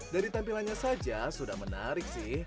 dari tampilannya saja sudah menarik sih